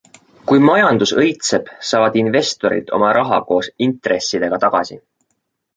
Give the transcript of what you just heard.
Kui majandus õitseb, saavad investorid oma raha koos intressidega tagasi.